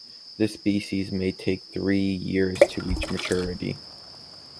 This species may take three years to reach maturity.